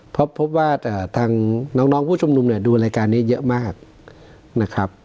เพราะพบว่าทางน้องผู้ชุมนุมเนี่ยดูรายการนี้เยอะมากนะครับ